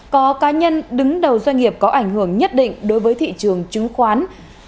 có cá nhân đứng đầu doanh nghiệp có ảnh hưởng nhất định đối với thị trường chứng khoán